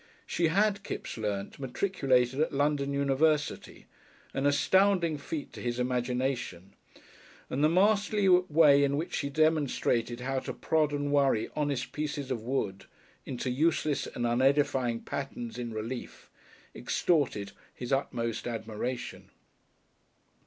She had, Kipps learnt, matriculated at London University, an astounding feat to his imagination; and the masterly way in which she demonstrated how to prod and worry honest pieces of wood into useless and unedifying patterns in relief extorted his utmost admiration.